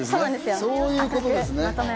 そういうことですね。